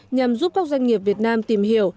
nhằm giúp các doanh nghiệp việt nam tìm hiểu